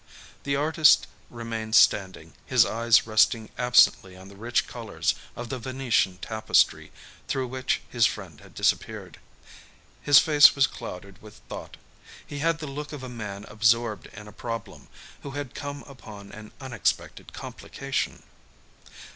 The artist remained standing, his eyes resting absently on the rich colors of the Venetian tapestry through which his friend had disappeared. His face was clouded with thought. He had the look of a man absorbed in a problem, who has come upon an unexpected complication.